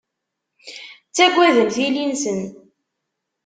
Ttaggaden tili-nsen.